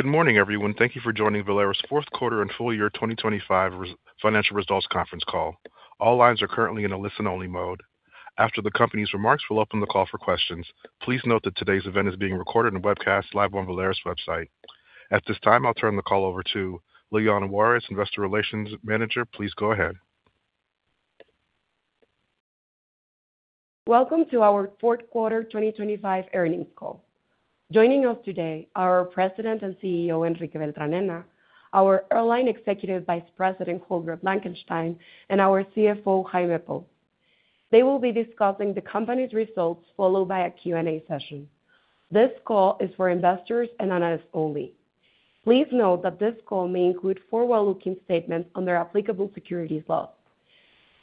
Good morning, everyone. Thank you for joining Volaris' Q4 and full year 2025 financial results conference call. All lines are currently in a listen-only mode. After the company's remarks, we'll open the call for questions. Please note that today's event is being recorded and webcast live on Volaris' website. At this time, I'll turn the call over to Liliana Juárez, Investor Relations Manager. Please go ahead. Welcome to our Q4 2025 earnings call. Joining us today are our President and CEO, Enrique Beltranena, our Airline Executive Vice President, Holger Blankenstein, and our CFO, Jaime Pous. They will be discussing the company's results, followed by a Q&A session. This call is for investors and analysts only. Please note that this call may include forward-looking statements under applicable securities laws.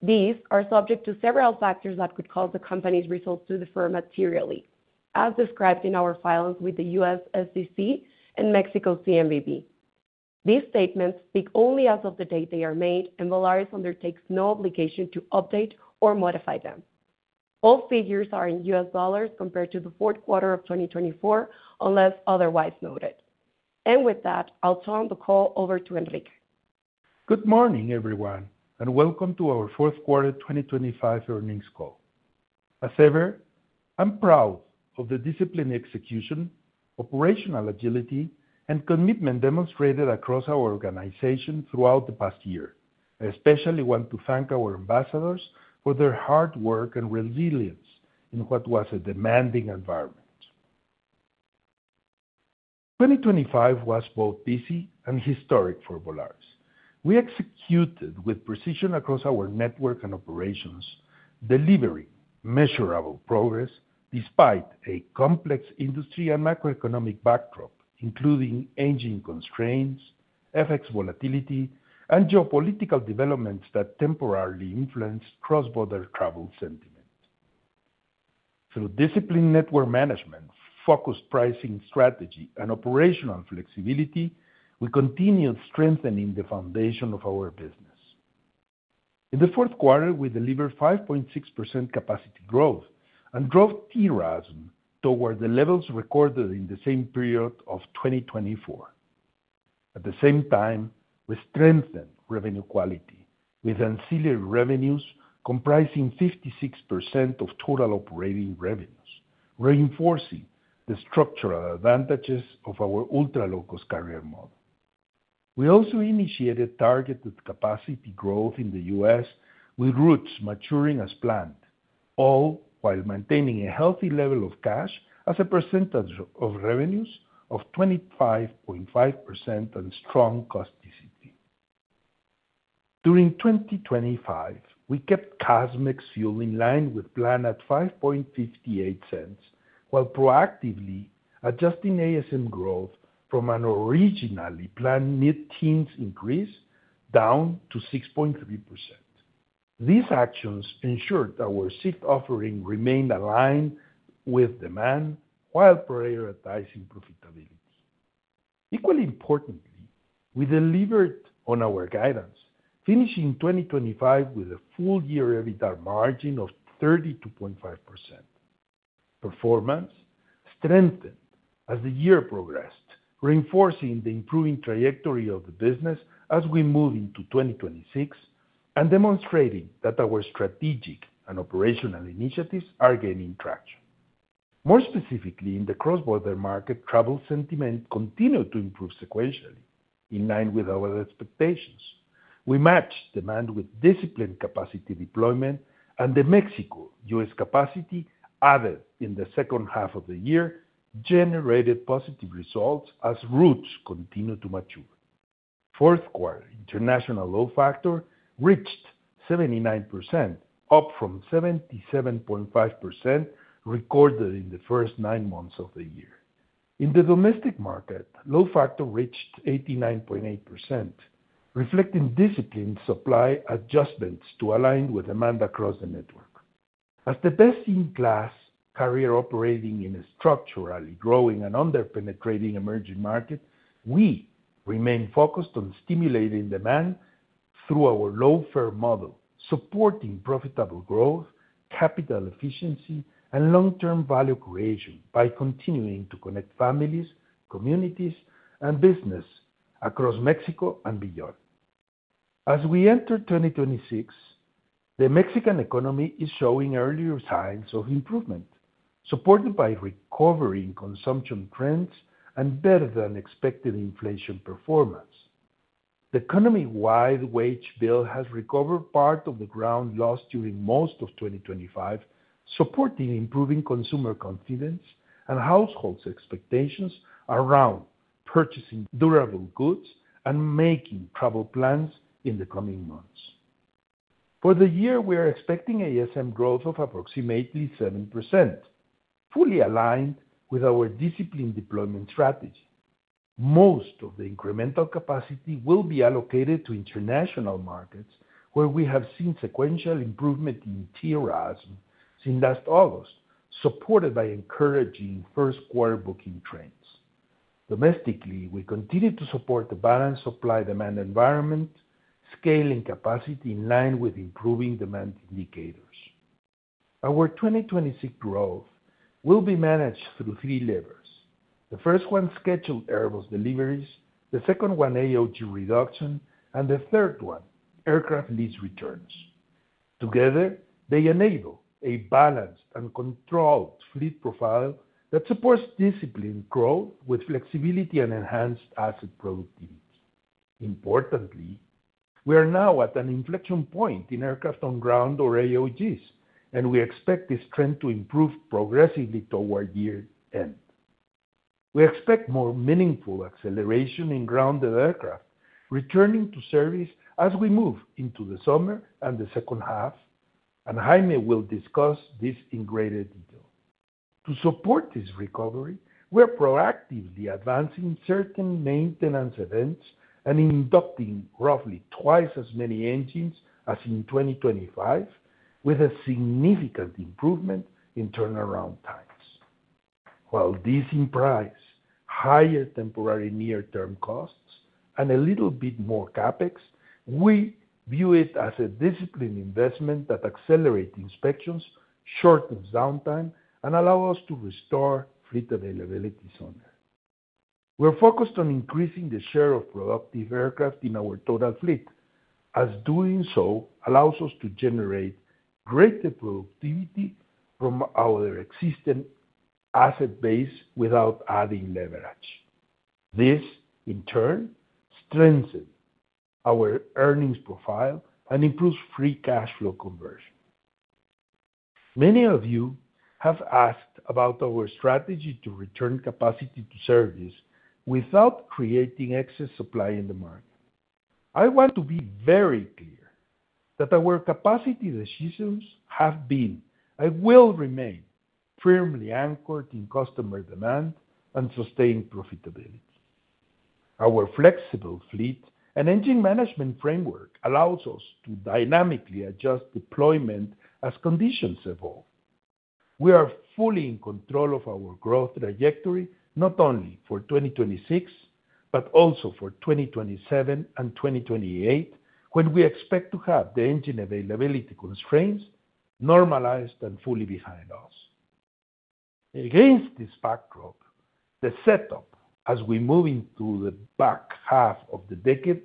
These are subject to several factors that could cause the company's results to differ materially, as described in our filings with the U.S. SEC and Mexico's CNBV. These statements speak only as of the date they are made, and Volaris undertakes no obligation to update or modify them. All figures are in US dollars compared to the Q4 of 2024, unless otherwise noted. With that, I'll turn the call over to Enrique. Good morning, everyone. Welcome to our Q4 2025 earnings call. As ever, I'm proud of the disciplined execution, operational agility, and commitment demonstrated across our organization throughout the past year. I especially want to thank our ambassadors for their hard work and resilience in what was a demanding environment. 2025 was both busy and historic for Volaris. We executed with precision across our network and operations, delivering measurable progress despite a complex industry and macroeconomic backdrop, including engine constraints, FX volatility, and geopolitical developments that temporarily influenced cross-border travel sentiment. Through disciplined network management, focused pricing strategy, and operational flexibility, we continued strengthening the foundation of our business. In the Q4, we delivered 5.6% capacity growth and growth TRASM toward the levels recorded in the same period of 2024. We strengthened revenue quality, with ancillary revenues comprising 56% of total operating revenues, reinforcing the structural advantages of our ultra-low-cost carrier model. We also initiated targeted capacity growth in the U.S., with routes maturing as planned, all while maintaining a healthy level of cash as a percentage of revenues of 25.5% and strong cost discipline. During 2025, we kept CASM ex fuel in line with plan at $0.0558, while proactively adjusting ASM growth from an originally planned mid-teens increase down to 6.3%. These actions ensured that our seat offering remained aligned with demand while prioritizing profitability. Equally importantly, we delivered on our guidance, finishing 2025 with a full-year EBITDA margin of 32.5%. Performance strengthened as the year progressed, reinforcing the improving trajectory of the business as we move into 2026, demonstrating that our strategic and operational initiatives are gaining traction. More specifically, in the cross-border market, travel sentiment continued to improve sequentially, in line with our expectations. We matched demand with disciplined capacity deployment, the Mexico-U.S. capacity added in the H2 of the year generated positive results as routes continued to mature. Q4 international load factor reached 79%, up from 77.5% recorded in the first nine months of the year. In the domestic market, load factor reached 89.8%, reflecting disciplined supply adjustments to align with demand across the network. As the best-in-class carrier operating in a structurally growing and under-penetrating emerging market, we remain focused on stimulating demand through our low-fare model, supporting profitable growth, capital efficiency, and long-term value creation by continuing to connect families, communities, and business across Mexico and beyond. As we enter 2026, the Mexican economy is showing earlier signs of improvement, supported by recovery in consumption trends and better-than-expected inflation performance. The economy-wide wage bill has recovered part of the ground lost during most of 2025, supporting improving consumer confidence and households' expectations around purchasing durable goods and making travel plans in the coming months. For the year, we are expecting ASM growth of approximately 7%, fully aligned with our disciplined deployment strategy. Most of the incremental capacity will be allocated to international markets, where we have seen sequential improvement in TRASM since last August, supported by encouraging Q1 booking trends. Domestically, we continue to support the balanced supply-demand environment, scaling capacity in line with improving demand indicators. Our 2026 growth will be managed through three levers. The first one, scheduled Airbus deliveries, the second one, AOG reduction, the third one, aircraft lease returns. Together, they enable a balanced and controlled fleet profile that supports disciplined growth with flexibility and enhanced asset productivity. Importantly, we are now at an inflection point in Aircraft on Ground or AOGs. We expect this trend to improve progressively toward year-end. We expect more meaningful acceleration in grounded aircraft, returning to service as we move into the summer and the H2. Jaime will discuss this in greater detail. To support this recovery, we are proactively advancing certain maintenance events and inducting roughly twice as many engines as in 2025, with a significant improvement in turnaround times. While this implies higher temporary near-term costs and a little bit more CapEx, we view it as a disciplined investment that accelerates inspections, shortens downtime, and allow us to restore fleet availability sooner. We're focused on increasing the share of productive aircraft in our total fleet, as doing so allows us to generate greater productivity from our existing asset base without adding leverage. This, in turn, strengthens our earnings profile and improves free cash flow conversion. Many of you have asked about our strategy to return capacity to service without creating excess supply in the market. I want to be very clear that our capacity decisions have been, and will remain, firmly anchored in customer demand and sustained profitability. Our flexible fleet and engine management framework allows us to dynamically adjust deployment as conditions evolve. We are fully in control of our growth trajectory, not only for 2026, but also for 2027 and 2028, when we expect to have the engine availability constraints normalized and fully behind us. Against this backdrop, the setup as we move into the back 1/2 of the decade,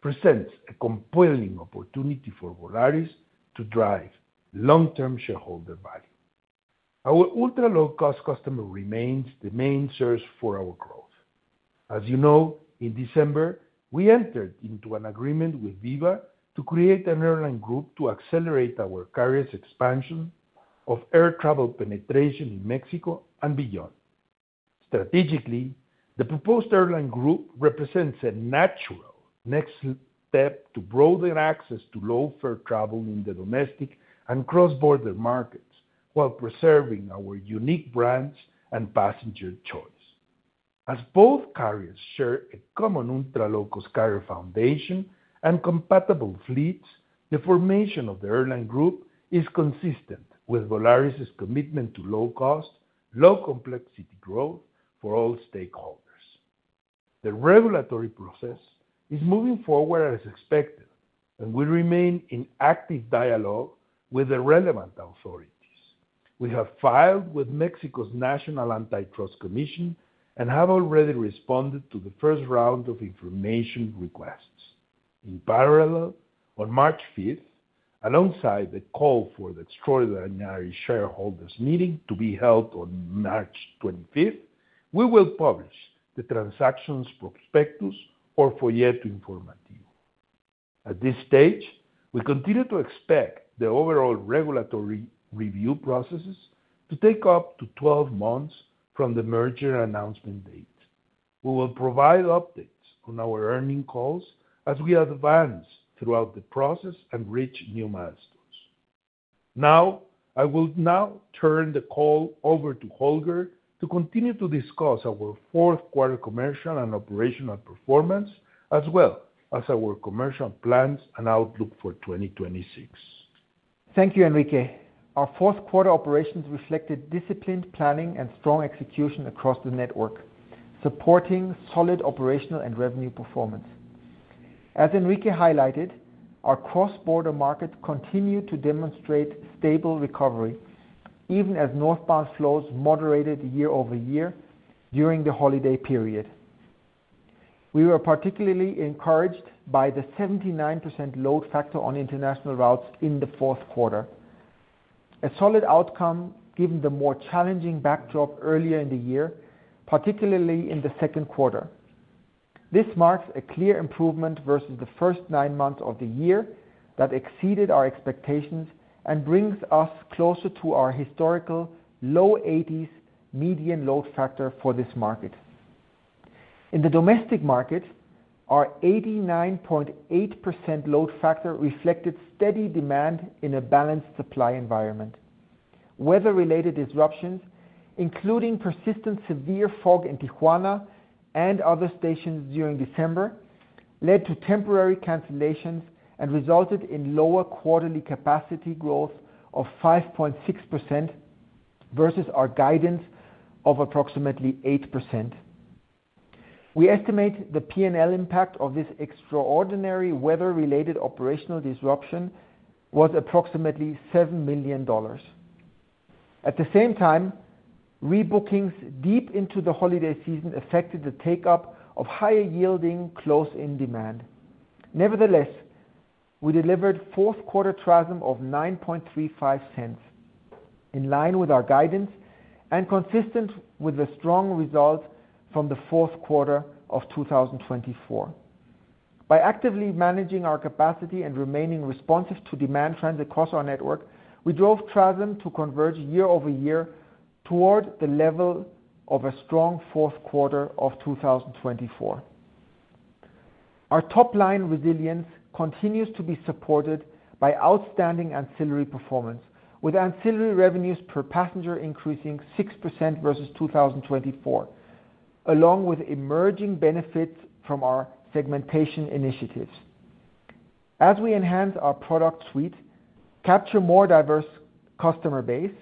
presents a compelling opportunity for Volaris to drive long-term shareholder value. Our ultra-low-cost customer remains the main source for our growth. As you know, in December, we entered into an agreement with Viva to create an airline group to accelerate our carrier's expansion of air travel penetration in Mexico and beyond. Strategically, the proposed airline group represents a natural next step to broaden access to low-fare travel in the domestic and cross-border markets, while preserving our unique brands and passenger choice. As both carriers share a common ultra-low-cost carrier foundation and compatible fleets, the formation of the airline group is consistent with Volaris's commitment to low cost, low complexity growth for all stakeholders. The regulatory process is moving forward as expected. We remain in active dialogue with the relevant authorities. We have filed with Mexico's Federal Economic Competition Commission, and have already responded to the first round of information requests. In parallel, on March 5th, alongside the call for the extraordinary shareholders meeting to be held on March 25th, we will publish the transactions prospectus or Folleto Informativo. At this stage, we continue to expect the overall regulatory review processes to take up to 12 months from the merger announcement date. We will provide updates on our earnings calls as we advance throughout the process and reach new milestones. I will now turn the call over to Holger to continue to discuss our Q4 commercial and operational performance, as well as our commercial plans and outlook for 2026. Thank you, Enrique. Our Q4 operations reflected disciplined planning and strong execution across the network, supporting solid operational and revenue performance. As Enrique highlighted, our cross-border market continued to demonstrate stable recovery, even as northbound flows moderated year-over-year during the holiday period. We were particularly encouraged by the 79% load factor on international routes in the Q4. A solid outcome, given the more challenging backdrop earlier in the year, particularly in the Q2. This marks a clear improvement versus the first nine months of the year that exceeded our expectations, and brings us closer to our historical low eighties median load factor for this market. In the domestic market, our 89.8% load factor reflected steady demand in a balanced supply environment. Weather-related disruptions, including persistent severe fog in Tijuana and other stations during December, led to temporary cancellations and resulted in lower quarterly capacity growth of 5.6%, versus our guidance of approximately 8%. We estimate the P&L impact of this extraordinary weather-related operational disruption was approximately $7 million. At the same time, rebookings deep into the holiday season affected the take-up of higher-yielding close-in demand. Nevertheless, we delivered Q4 TRASM of $0.0935, in line with our guidance and consistent with the strong results from the Q4 of 2024. By actively managing our capacity and remaining responsive to demand trends across our network, we drove TRASM to converge year-over-year toward the level of a strong Q4 of 2024. Our top-line resilience continues to be supported by outstanding ancillary performance, with ancillary revenues per passenger increasing 6% versus 2024, along with emerging benefits from our segmentation initiatives. As we enhance our product suite, capture more diverse customer base,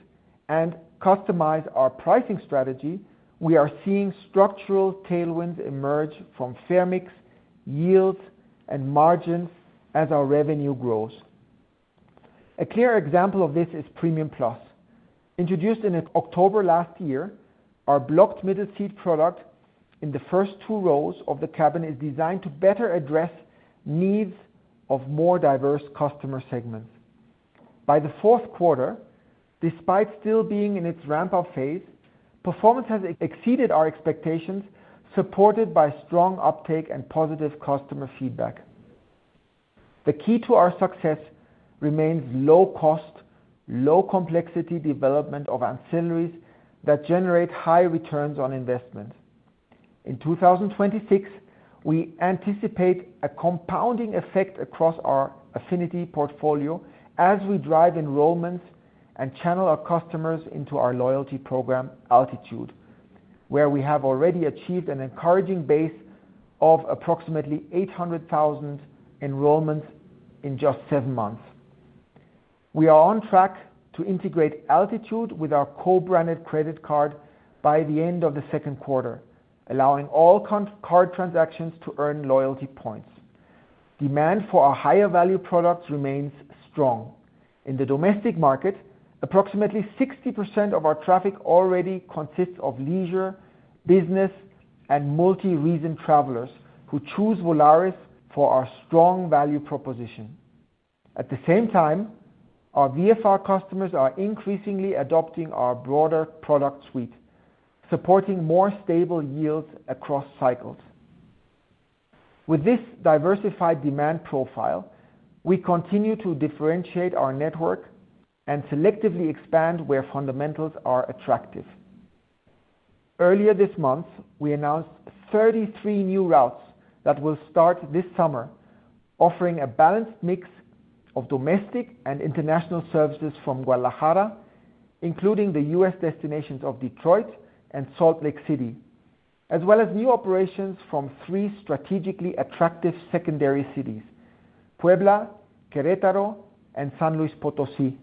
and customize our pricing strategy, we are seeing structural tailwinds emerge from fare mix, yields, and margins as our revenue grows. A clear example of this is Premium Plus, introduced in October last year, our blocked middle seat product in the first two rows of the cabin is designed to better address needs of more diverse customer segments. By the Q4, despite still being in its ramp-up phase, performance has exceeded our expectations, supported by strong uptake and positive customer feedback. The key to our success remains low cost, low complexity development of ancillaries that generate high returns on investment. In 2026, we anticipate a compounding effect across our affinity portfolio as we drive enrollments and channel our customers into our loyalty program, Altitude, where we have already achieved an encouraging base of approximately 800,000 enrollments in just seven months. We are on track to integrate Altitude with our co-branded credit card by the end of the Q2, allowing all card transactions to earn loyalty points. Demand for our higher-value products remains strong. In the domestic market, approximately 60% of our traffic already consists of leisure, business, and multi-reason travelers who choose Volaris for our strong value proposition. At the same time, our VFR customers are increasingly adopting our broader product suite, supporting more stable yields across cycles. With this diversified demand profile, we continue to differentiate our network and selectively expand where fundamentals are attractive. Earlier this month, we announced 33 new routes that will start this summer, offering a balanced mix of domestic and international services from Guadalajara, including the U.S. destinations of Detroit and Salt Lake City, as well as new operations from three strategically attractive secondary cities, Puebla, Querétaro, and San Luis Potosí.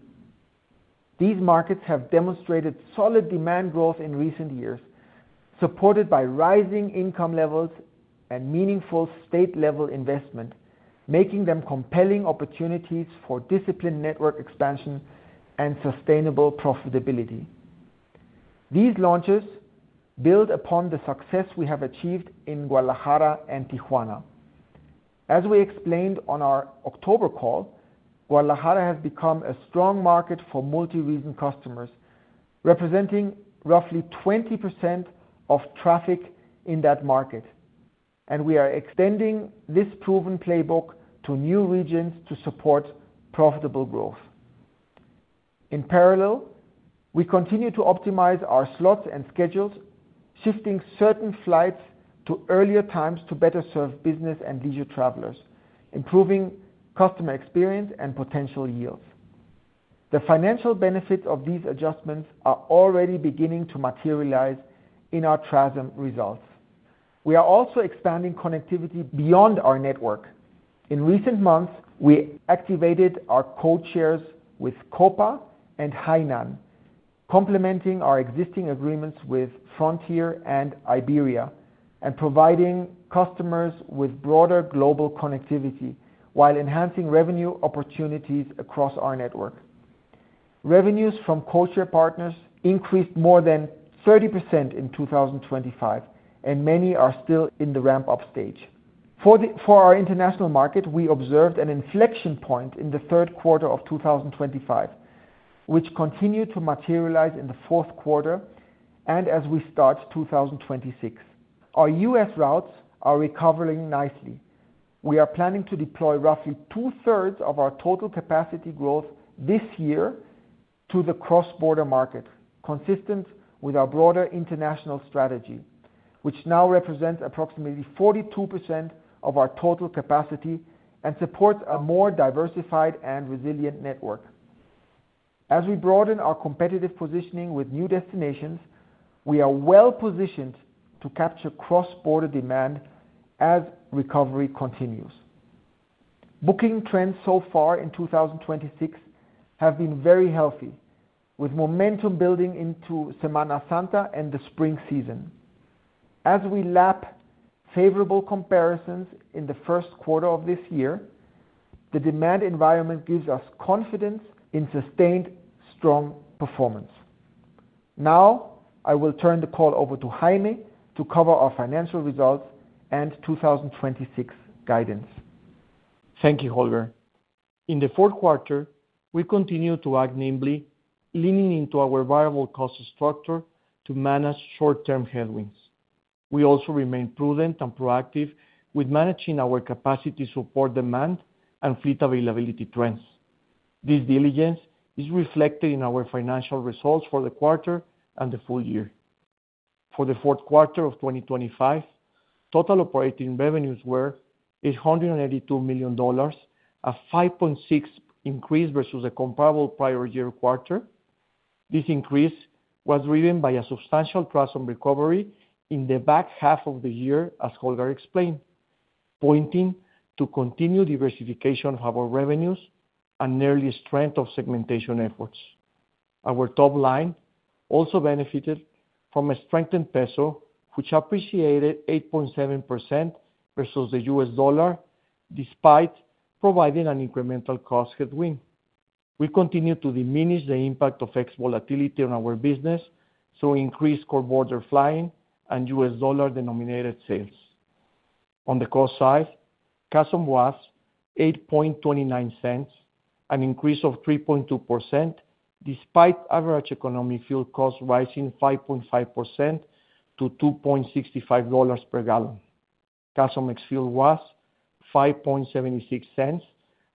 These markets have demonstrated solid demand growth in recent years, supported by rising income levels and meaningful state-level investment, making them compelling opportunities for disciplined network expansion and sustainable profitability. These launches build upon the success we have achieved in Guadalajara and Tijuana. As we explained on our October call, Guadalajara has become a strong market for multi-reason customers, representing roughly 20% of traffic in that market, and we are extending this proven playbook to new regions to support profitable growth. In parallel, we continue to optimize our slots and schedules, shifting certain flights to earlier times to better serve business and leisure travelers, improving customer experience and potential yields. The financial benefits of these adjustments are already beginning to materialize in our TRASM results. We are also expanding connectivity beyond our network. In recent months, we activated our codeshares with Copa Airlines and Hainan Airlines, complementing our existing agreements with Frontier Airlines and Iberia, and providing customers with broader global connectivity while enhancing revenue opportunities across our network. Revenues from codeshare partners increased more than 30% in 2025, and many are still in the ramp-up stage. For our international market, we observed an inflection point in the Q3 of 2025, which continued to materialize in the Q4 and as we start 2026. Our U.S. routes are recovering nicely. We are planning to deploy roughly 2/3 of our total capacity growth this year to the cross-border market, consistent with our broader international strategy, which now represents approximately 42% of our total capacity and supports a more diversified and resilient network. As we broaden our competitive positioning with new destinations, we are well-positioned to capture cross-border demand as recovery continues. Booking trends so far in 2026 have been very healthy, with momentum building into Semana Santa and the spring season. As we lap favorable comparisons in the Q1 of this year, the demand environment gives us confidence in sustained strong performance. Now, I will turn the call over to Jaime to cover our financial results and 2026 guidance. Thank you, Holger. In the Q4, we continued to act nimbly, leaning into our viable cost structure to manage short-term headwinds. We also remain prudent and proactive with managing our capacity to support demand and fleet availability trends. This diligence is reflected in our financial results for the quarter and the full year. For the Q4 of 2025, total operating revenues were $882 million, a 5.6% increase versus a comparable prior year quarter. This increase was driven by a substantial cross-on recovery in the back 1/2 of the year, as Holger explained, pointing to continued diversification of our revenues and early strength of segmentation efforts. Our top line also benefited from a strengthened peso, which appreciated 8.7% versus the US dollar, despite providing an incremental cost headwind. We continue to diminish the impact of FX volatility on our business, increased core border flying and U.S. dollar-denominated sales. On the cost side, CASM was $0.0829, an increase of 3.2%, despite average economic fuel costs rising 5.5%-$2.65 per gallon. CASM ex fuel was $0.0576,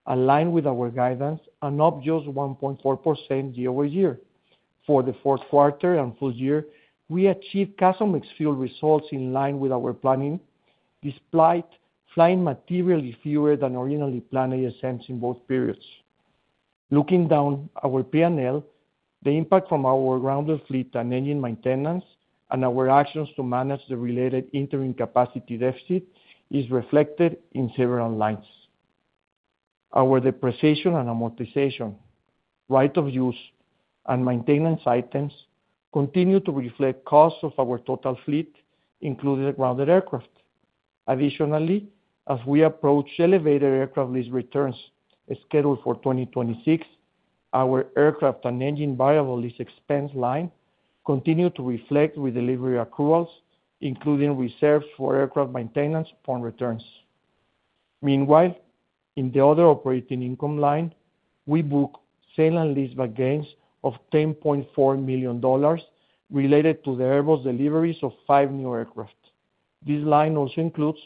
aligned with our guidance, and up just 1.4% year-over-year. For the Q4 and full year, we achieved CASM ex fuel results in line with our planning, despite flying materially fewer than originally planned ASMs in both periods. Looking down our P&L, the impact from our grounded fleet and engine maintenance, and our actions to manage the related interim capacity deficit, is reflected in several lines. Our depreciation and amortization, right of use, and maintenance items continue to reflect costs of our total fleet, including the grounded aircraft. As we approach elevated aircraft lease returns, scheduled for 2026, our aircraft and engine viable lease expense line continue to reflect with delivery accruals, including reserves for aircraft maintenance upon returns. In the other operating income line, we book sale and lease gains of $10.4 million related to the Airbus deliveries of five new aircraft. This line also includes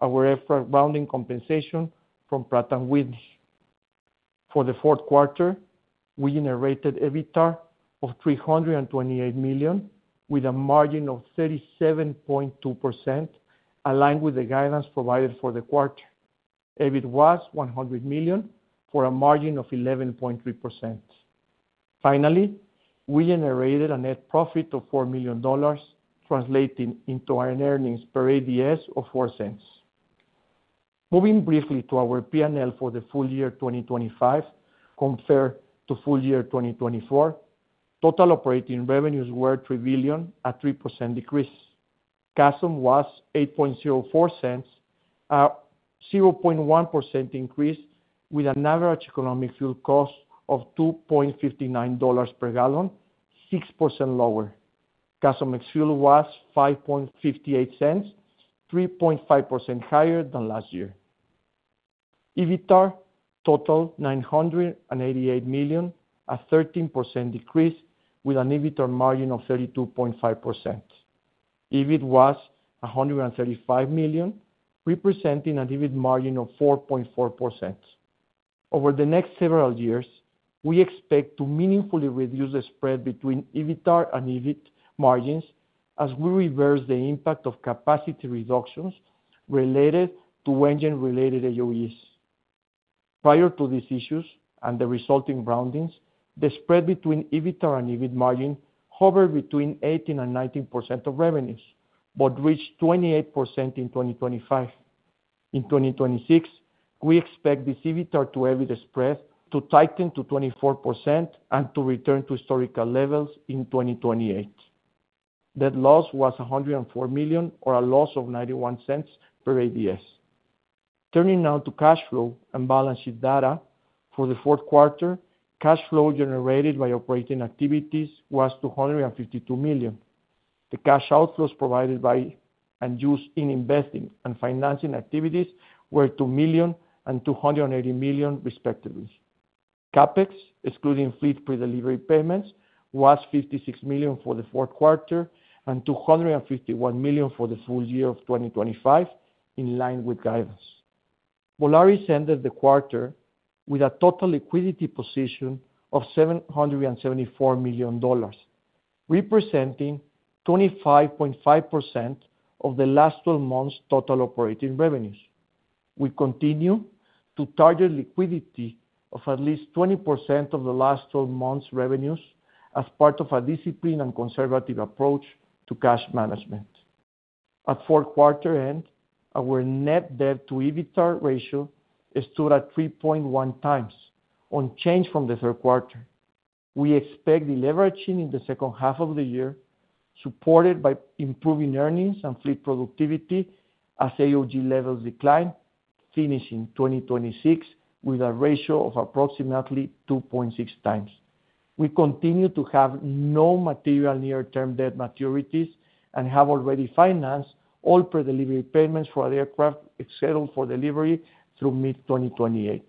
our aircraft grounding compensation from Pratt & Whitney. For the Q4, we generated EBITDA of $328 million, with a margin of 37.2%, aligned with the guidance provided for the quarter. EBIT was $100 million, for a margin of 11.3%. Finally, we generated a net profit of $4 million, translating into an earnings per ADS of $0.04. Moving briefly to our P&L for the full year 2025, compared to full year 2024, total operating revenues were $3 billion, a 3% decrease. CASM was $0.0804, a 0.1% increase, with an average economic fuel cost of $2.59 per gallon, 6% lower. CASM ex fuel was $0.0558, 3.5% higher than last year. EBITDA totaled $988 million, a 13% decrease, with an EBITDA margin of 32.5%. EBIT was $135 million, representing an EBIT margin of 4.4%. Over the next several years, we expect to meaningfully reduce the spread between EBITDA and EBIT margins, as we reverse the impact of capacity reductions related to engine-related AOGs. Prior to these issues and the resulting groundings, the spread between EBITDA and EBIT margin hovered between 18% and 19% of revenues, but reached 28% in 2025. In 2026, we expect the EBITDA to EBIT spread to tighten to 24% and to return to historical levels in 2028. Net loss was $104 million, or a loss of $0.91 per ADS. Turning now to cash flow and balance sheet data. For the Q4, cash flow generated by operating activities was $252 million. The cash outflows provided by, and used in investing and financing activities, were $2 million and $280 million, respectively. CapEx, excluding fleet pre-delivery payments, was $56 million for the Q4 and $251 million for the full year of 2025, in line with guidance. Volaris ended the quarter with a total liquidity position of $774 million, representing 25.5% of the last 12 months' total operating revenues. We continue to target liquidity of at least 20% of the last 12 months' revenues as part of our disciplined and conservative approach to cash management. At Q4 end, our net debt to EBITA ratio is stood at 3.1x, on change from the third quarter. We expect the leveraging in the H2 of the year, supported by improving earnings and fleet productivity as AOG levels decline, finishing 2026 with a ratio of approximately 2.6x. We continue to have no material near-term debt maturities, and have already financed all pre-delivery payments for our aircraft, et cetera, for delivery through mid-2028.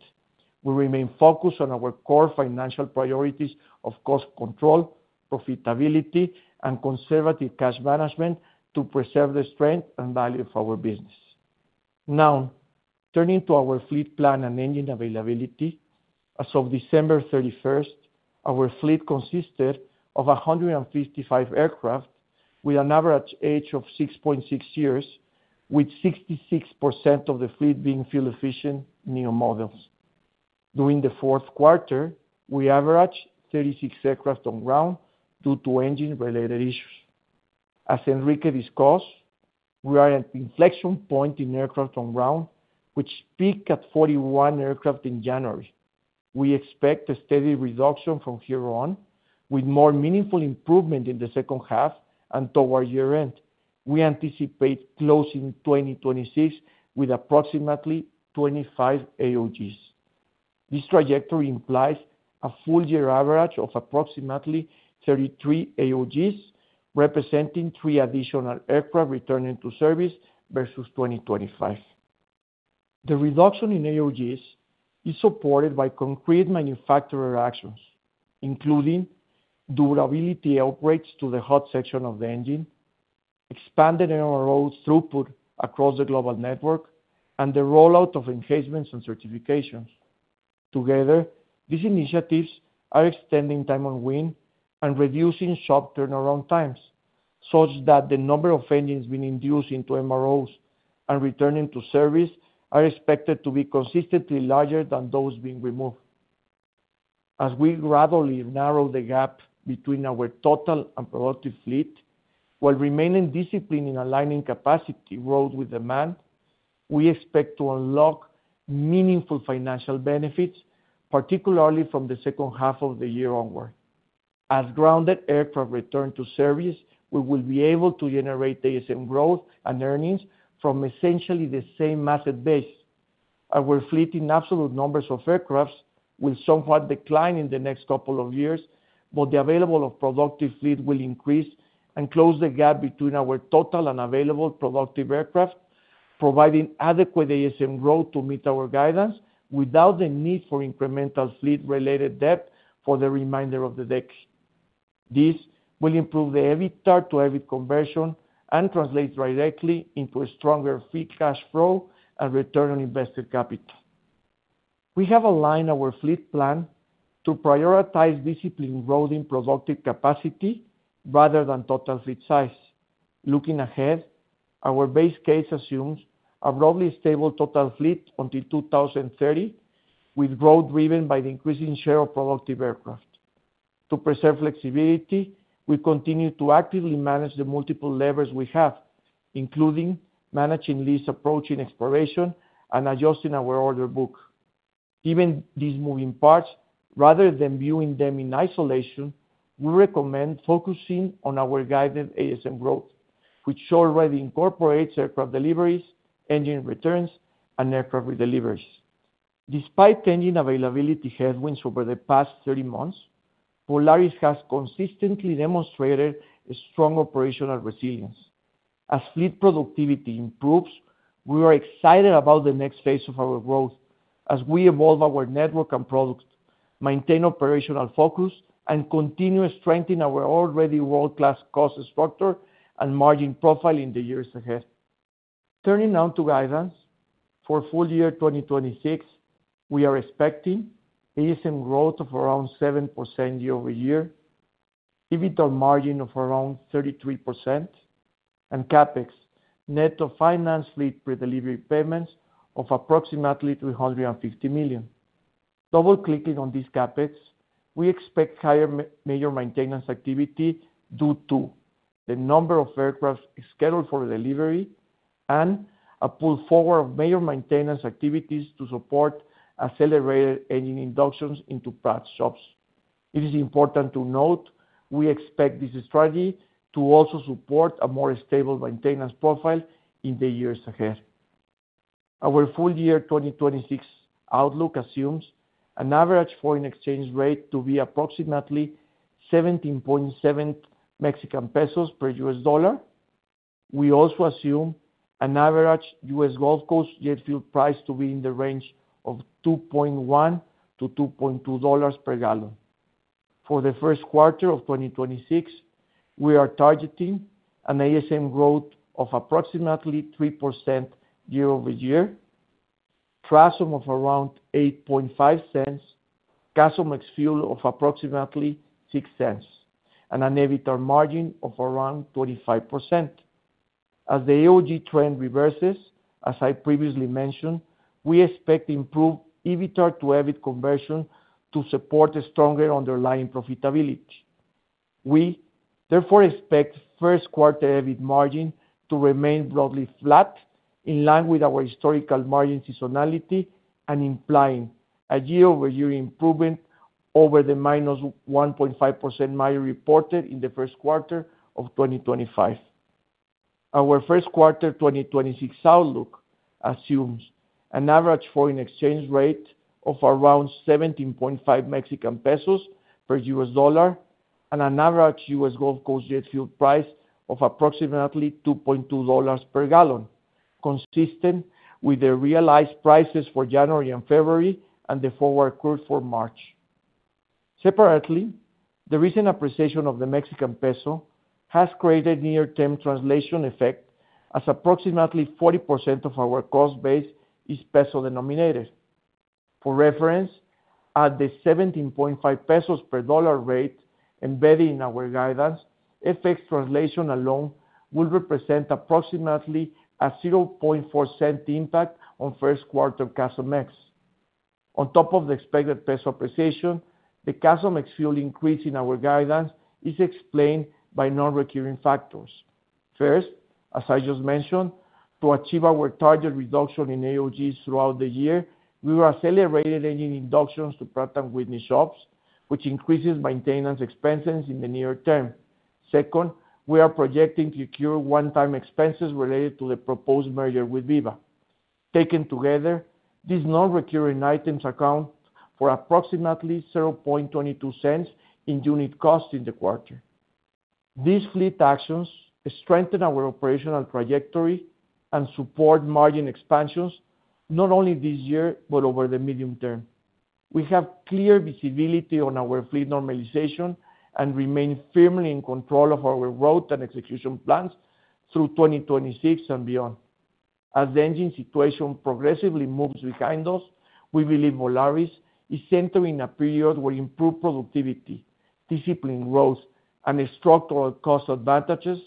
We remain focused on our core financial priorities of cost control, profitability, and conservative cash management to preserve the strength and value of our business. Now, turning to our fleet plan and engine availability. As of December 31st, our fleet consisted of 155 aircraft, with an average age of 6.6 years, with 66% of the fleet being fuel-efficient, newer models. During the Q4, we averaged 36 aircraft on ground due to engine-related issues. As Enrique discussed, we are at inflection point in aircraft on ground, which peak at 41 aircraft in January. We expect a steady reduction from here on, with more meaningful improvement in the H2 and towards year-end. We anticipate closing 2026 with approximately 25 AOGs. This trajectory implies a full year average of approximately 33 AOGs, representing three additional aircraft returning to service versus 2025. The reduction in AOGs is supported by concrete manufacturer actions, including durability upgrades to the hot section of the engine, expanded MRO throughput across the global network, and the rollout of enhancements and certifications. Together, these initiatives are extending time on wing and reducing shop turnaround times, such that the number of engines being induced into MROs and returning to service are expected to be consistently larger than those being removed. As we gradually narrow the gap between our total and productive fleet, while remaining disciplined in aligning capacity growth with demand, we expect to unlock meaningful financial benefits, particularly from the H2 of the year onward. As grounded aircraft return to service, we will be able to generate ASM growth and earnings from essentially the same asset base. Our fleet, in absolute numbers of aircraft, will somewhat decline in the next couple of years, but the available of productive fleet will increase and close the gap between our total and available productive aircraft, providing adequate ASM growth to meet our guidance, without the need for incremental fleet-related debt for the remainder of the decade. This will improve the EBITA to EBIT conversion, and translates directly into a stronger free cash flow and return on invested capital. We have aligned our fleet plan to prioritize disciplined growth in productive capacity rather than total fleet size. Looking ahead, our base case assumes a broadly stable total fleet until 2030, with growth driven by the increasing share of productive aircraft. To preserve flexibility, we continue to actively manage the multiple levers we have, including managing lease approach and exploration, and adjusting our order book. Even these moving parts, rather than viewing them in isolation, we recommend focusing on our guided ASM growth, which already incorporates aircraft deliveries, engine returns, and aircraft redeliveries. Despite changing availability headwinds over the past 30 months, Volaris has consistently demonstrated a strong operational resilience. As fleet productivity improves, we are excited about the next phase of our growth as we evolve our network and products, maintain operational focus, and continue strengthening our already world-class cost structure and margin profile in the years ahead. Turning now to guidance. For full year 2026, we are expecting ASM growth of around 7% year-over-year, EBITA margin of around 33%, and CapEx net of finance lead pre-delivery payments of approximately $350 million. Double-clicking on this CapEx, we expect higher major maintenance activity due to the number of aircraft scheduled for delivery, and a pull forward of major maintenance activities to support accelerated engine inductions into past shops. It is important to note, we expect this strategy to also support a more stable maintenance profile in the years ahead. Our full year 2026 outlook assumes an average foreign exchange rate to be approximately 17.7 Mexican pesos per U.S. dollar. We also assume an average U.S. Gulf Coast jet fuel price to be in the range of $2.1-$2.2 per gallon. For the Q1 of 2026, we are targeting an ASM growth of approximately 3% year-over-year, TRASM of around $0.085, CASM ex fuel of approximately $0.06, and an EBITDA margin of around 25%. As the AOG trend reverses, as I previously mentioned, we expect improved EBITA to EBIT conversion to support a stronger underlying profitability. We therefore expect Q1 EBIT margin to remain broadly flat, in line with our historical margin seasonality, and implying a year-over-year improvement over the -1.5% margin reported in the Q1 of 2025. Our Q1 2026 outlook assumes an average foreign exchange rate of around 17.5 Mexican pesos per U.S. dollar, and an average US Gulf Coast jet fuel price of approximately $2.2 per gallon, consistent with the realized prices for January and February, and the forward curve for March. Separately, the recent appreciation of the Mexican peso has created near-term translation effect, as approximately 40% of our cost base is peso denominated. For reference, at the 17.5 pesos per dollar rate embedded in our guidance, FX translation alone will represent approximately a $0.004 impact on Q1 CASM Mex. On top of the expected peso appreciation, the CASM ex fuel increase in our guidance is explained by non-recurring factors. First, as I just mentioned, to achieve our target reduction in AOGs throughout the year, we are accelerating any inductions to Pratt & Whitney shops, which increases maintenance expenses in the near term. Second, we are projecting to cure one-time expenses related to the proposed merger with Viva. Taken together, these non-recurring items account for approximately $0.0022 in unit costs in the quarter. These fleet actions strengthen our operational trajectory and support margin expansions, not only this year, but over the medium term. We have clear visibility on our fleet normalization, and remain firmly in control of our growth and execution plans through 2026 and beyond. As the engine situation progressively moves behind us, we believe Volaris is entering a period where improved productivity, discipline growth, and structural cost advantages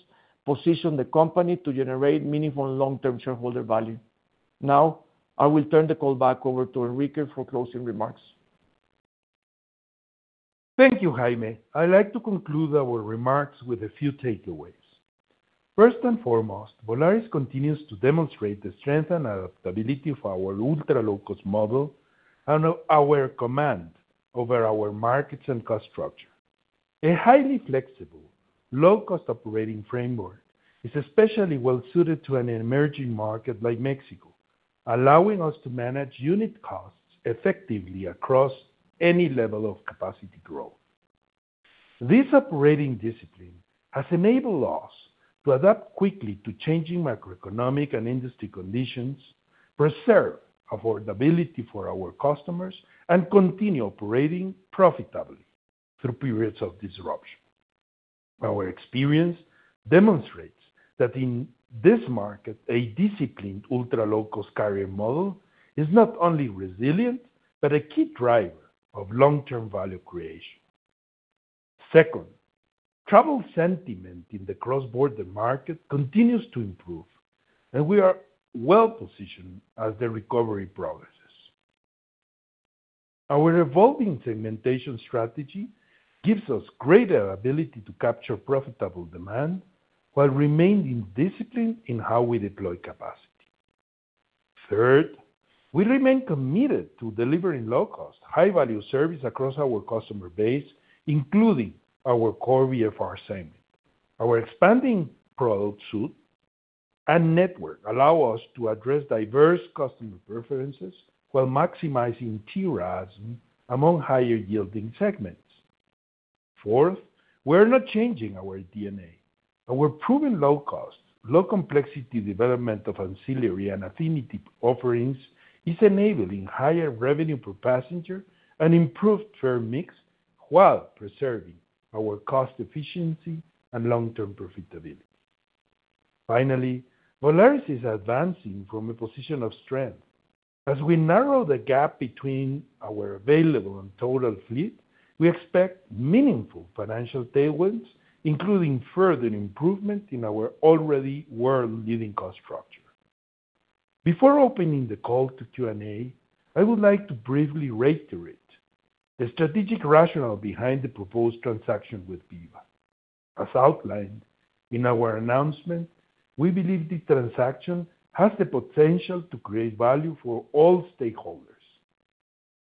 position the company to generate meaningful long-term shareholder value. Now, I will turn the call back over to Enrique for closing remarks. Thank you, Jaime. I'd like to conclude our remarks with a few takeaways. First and foremost, Volaris continues to demonstrate the strength and adaptability of our ultra-low-cost model and our command over our markets and cost structure. A highly flexible, low-cost operating framework is especially well-suited to an emerging market like Mexico, allowing us to manage unit costs effectively across any level of capacity growth. This operating discipline has enabled us to adapt quickly to changing macroeconomic and industry conditions, preserve affordability for our customers, and continue operating profitably through periods of disruption. Our experience demonstrates that in this market, a disciplined, ultra-low-cost carrier model is not only resilient, but a key driver of long-term value creation. Second, travel sentiment in the cross-border market continues to improve, and we are well-positioned as the recovery progresses. Our evolving segmentation strategy gives us greater ability to capture profitable demand while remaining disciplined in how we deploy capacity. Third, we remain committed to delivering low-cost, high-value service across our customer base, including our core VFR segment. Our expanding product suite and network allow us to address diverse customer preferences while maximizing TRASM among higher-yielding segments. Fourth, we're not changing our DNA, and we're proving low cost, low complexity development of ancillary and affinity offerings is enabling higher revenue per passenger and improved fare mix, while preserving our cost efficiency and long-term profitability. Finally, Volaris is advancing from a position of strength. As we narrow the gap between our available and total fleet, we expect meaningful financial tailwinds, including further improvement in our already world-leading cost structure. Before opening the call to Q&A, I would like to briefly reiterate the strategic rationale behind the proposed transaction with Viva. As outlined in our announcement, we believe the transaction has the potential to create value for all stakeholders.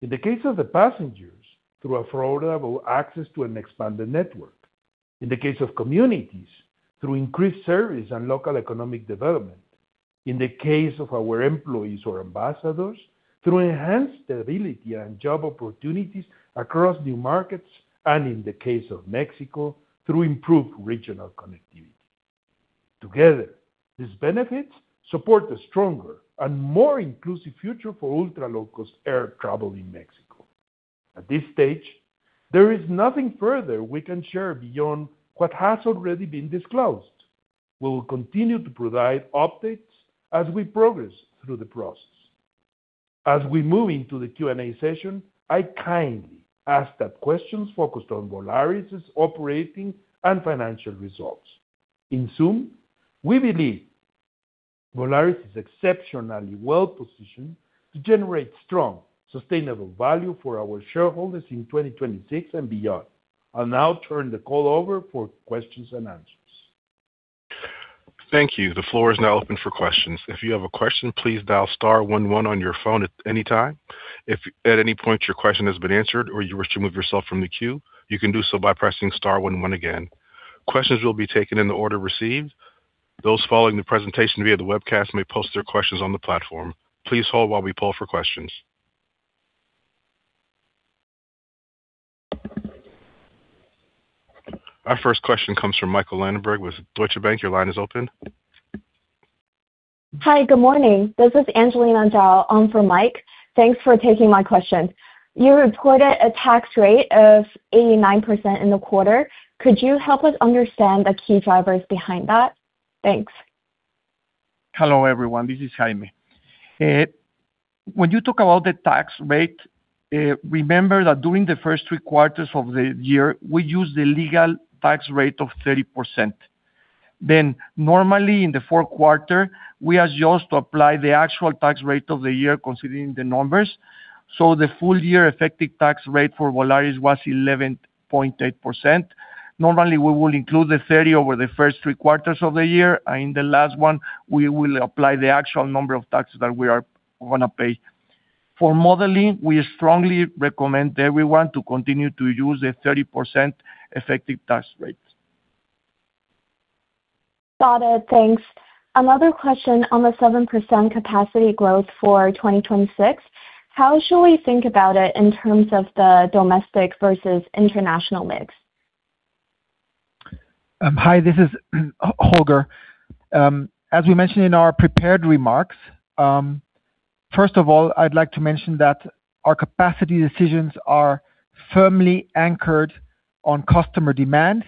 In the case of the passengers, through affordable access to an expanded network. In the case of communities, through increased service and local economic development. In the case of our employees or ambassadors, through enhanced stability and job opportunities across new markets, and in the case of Mexico, through improved regional connectivity. Together, these benefits support a stronger and more inclusive future for ultra-low-cost air travel in Mexico. At this stage, there is nothing further we can share beyond what has already been disclosed. We will continue to provide updates as we progress through the process. As we move into the Q&A session, I kindly ask that questions focused on Volaris' operating and financial results. Volaris is exceptionally well positioned to generate strong, sustainable value for our shareholders in 2026 and beyond. I'll now turn the call over for questions and answers. Thank you. The floor is now open for questions. If you have a question, please dial star one one on your phone at any time. If at any point your question has been answered or you wish to remove yourself from the queue, you can do so by pressing star one one again. Questions will be taken in the order received. Those following the presentation via the webcast may post their questions on the platform. Please hold while we poll for questions. Our first question comes from Michael Linenberg with Deutsche Bank. Your line is open. Hi, good morning. This is Angeline Andel on for Michael. Thanks for taking my question. You reported a tax rate of 89% in the quarter. Could you help us understand the key drivers behind that? Thanks. Hello, everyone. This is Jaime. When you talk about the tax rate, remember that during the first three quarters of the year, we used the legal tax rate of 30%. Normally in the Q4, we are just to apply the actual tax rate of the year, considering the numbers. The full year effective tax rate for Volaris was 11.8%. Normally, we will include the 30 over the first three quarters of the year. In the last one, we will apply the actual number of taxes that we are gonna pay. For modeling, we strongly recommend everyone to continue to use the 30% effective tax rate. Got it. Thanks. Another question on the 7% capacity growth for 2026. How should we think about it in terms of the domestic versus international mix? This is Holger. As we mentioned in our prepared remarks, first of all, I'd like to mention that our capacity decisions are firmly anchored on customer demand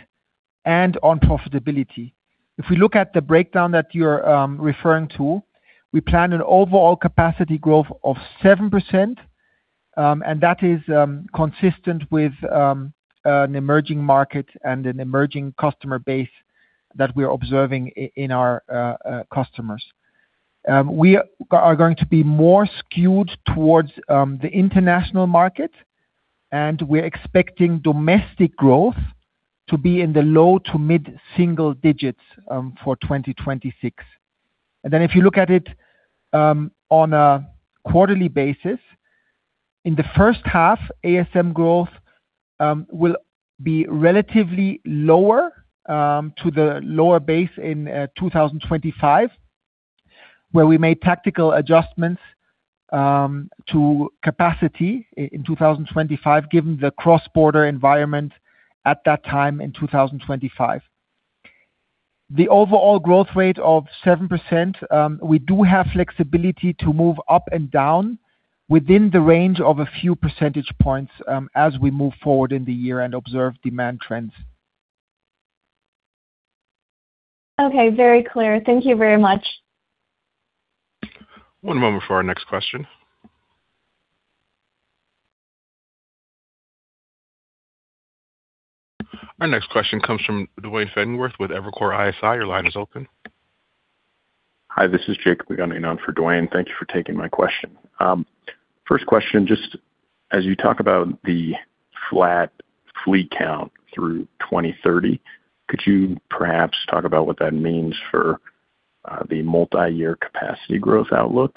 and on profitability. If we look at the breakdown that you're referring to, we plan an overall capacity growth of 7%, and that is consistent with an emerging market and an emerging customer base that we are observing in our customers. We are going to be more skewed towards the international market, and we're expecting domestic growth to be in the low to mid-single digits for 2026. If you look at it, on a quarterly basis, in the H1, ASM growth, will be relatively lower, to the lower base in 2025, where we made tactical adjustments, to capacity in 2025, given the cross-border environment at that time in 2025. The overall growth rate of 7%, we do have flexibility to move up and down within the range of a few percentage points, as we move forward in the year and observe demand trends. Okay, very clear. Thank you very much. One moment for our next question. Our next question comes from Duane Pfennigwerth with Evercore ISI. Your line is open. Hi, this is Jacob again, in on for Duane. Thank you for taking my question. First question, just as you talk about the flat fleet count through 2030, could you perhaps talk about what that means for the multi-year capacity growth outlook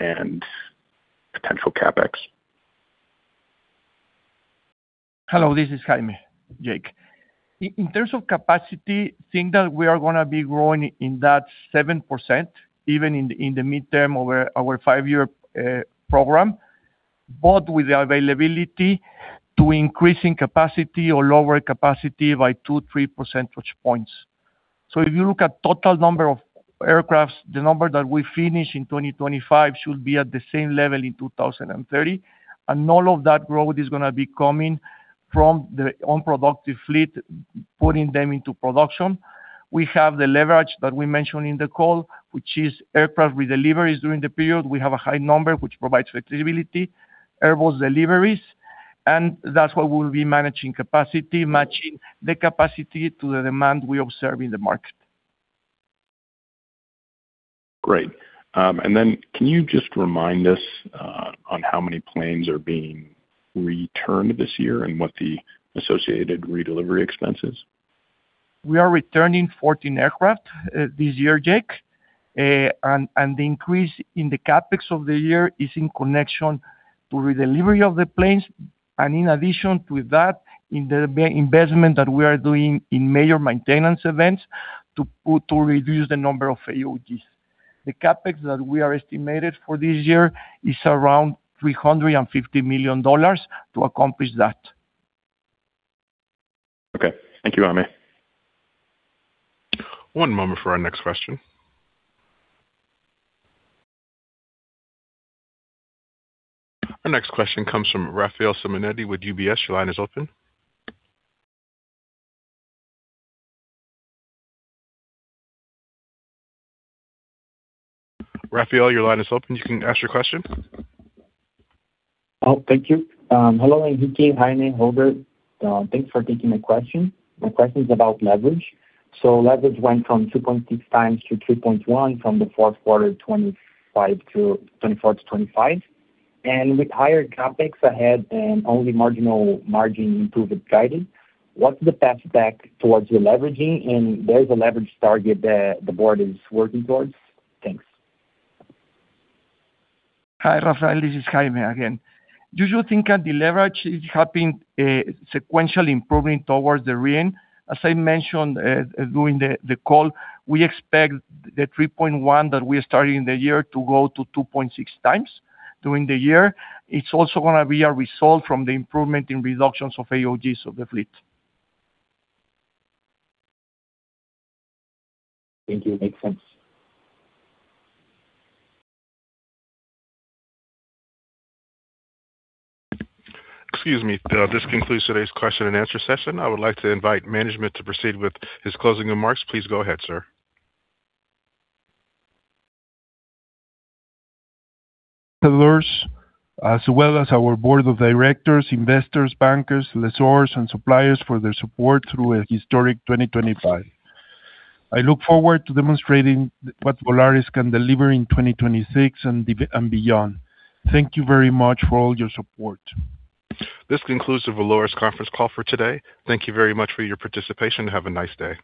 and potential CapEx? Hello, this is Jaime, Jacob. In terms of capacity, think that we are gonna be growing in that 7%, even in the midterm, over our five-year program, but with the availability to increasing capacity or lower capacity by 2 percentage points, 3 percentage points. If you look at total number of aircrafts, the number that we finish in 2025 should be at the same level in 2030, and all of that growth is gonna be coming from the unproductive fleet, putting them into production. We have the leverage that we mentioned in the call, which is aircraft redeliveries during the period. We have a high number, which provides flexibility, Airbus deliveries, and that's why we'll be managing capacity, matching the capacity to the demand we observe in the market. Great. Can you just remind us, on how many planes are being returned this year and what the associated redelivery expense is? We are returning 14 aircraft this year, Jacob. The increase in the CapEx of the year is in connection to redelivery of the planes, and in addition to that, in the investment that we are doing in major maintenance events to reduce the number of AOGs. The CapEx that we are estimated for this year is around $350 million to accomplish that. Okay. Thank you, Jaime. One moment for our next question. Our next question comes from Ricardo Alves with UBS. Your line is open. Rafael, your line is open. You can ask your question. Thank you. Hello, Enrique, Jaime, Holger, thanks for taking my question. My question is about leverage. Leverage went from 2.6x-3.1x, from the Q4 of 2024-2025, and with higher CapEx ahead and only marginal margin improvement guided, what's the path back towards the leveraging, and there is a leverage target that the board is working towards? Thanks. Hi, Rafael, this is Jaime again. You should think that the leverage is having sequentially improving towards the end. As I mentioned during the call, we expect the 3.1x that we are starting the year to go to 2.6x during the year. It's also gonna be a result from the improvement in reductions of AOGs of the fleet. Thank you. Makes sense. Excuse me, this concludes today's question and answer session. I would like to invite management to proceed with his closing remarks. Please go ahead, sir. ... As well as our board of directors, investors, bankers, lessors, and suppliers for their support through a historic 2025. I look forward to demonstrating what Volaris can deliver in 2026 and beyond. Thank you very much for all your support. This concludes the Volaris conference call for today. Thank you very much for your participation. Have a nice day.